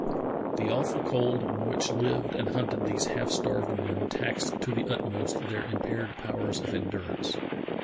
The awful cold in which lived and hunted these half starved men taxed to the utmost their impaired powers of endurance.